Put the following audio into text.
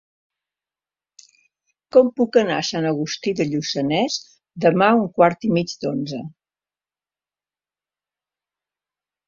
Com puc anar a Sant Agustí de Lluçanès demà a un quart i mig d'onze?